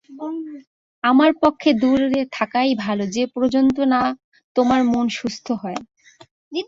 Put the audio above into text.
আমার পক্ষে দূরে থাকাই ভালো, যে পর্যন্ত না তোমার মন সুস্থ হয়।